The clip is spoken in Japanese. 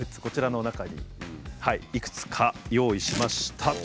こちらの中にいくつか用意しました。